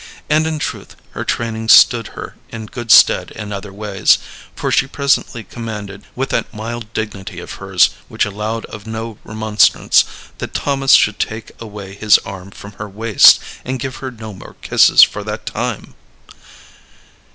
And, in truth, her training stood her in good stead in other ways; for she presently commanded, with that mild dignity of hers which allowed of no remonstrance, that Thomas should take away his arm from her waist, and give her no more kisses for that time.